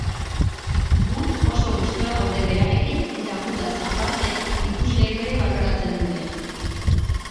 Gu oso gustora gaude berarekin eta gutaz aparte ikusleek ere baloratzen dute.